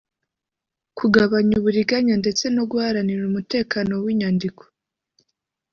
kugabanya uburiganya ndetse no guharanira umutekano w’inyandiko